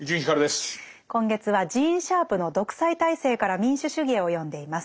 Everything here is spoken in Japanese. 今月はジーン・シャープの「独裁体制から民主主義へ」を読んでいます。